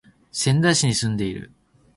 仙台市に住んでいる